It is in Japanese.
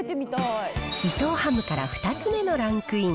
伊藤ハムから２つ目のランクイン。